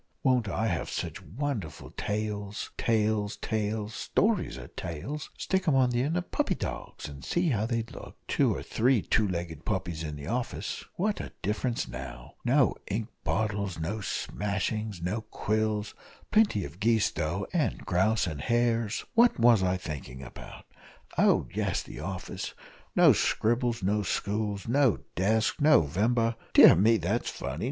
won't I have sich wonderful tales tales tails stories are tails stick 'em on the end of puppy dogs, and see how they'd look two or three two legged puppies in the office what a difference now! no ink bottles, no smashings, no quills, plenty of geese, though, and grouse and hares what was I thinking about? Oh, yes the office no scribbles no stools, no desks, No vember dear me, that's funny!